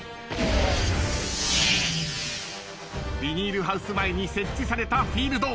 ビニールハウス前に設置されたフィールド。